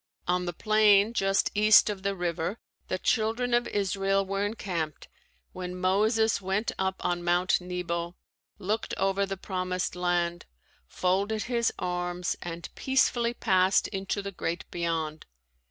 On the plain just east of the river the Children of Israel were encamped when Moses went up on Mount Nebo, looked over the Promised Land, folded his arms and peacefully passed into the great beyond.